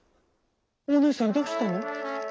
「おねえさんどうしたの？